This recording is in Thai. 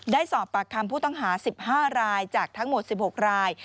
ได้สอบปากคำผู้ต้องหา๑๕รายจากทั้งหมด๑๖ราย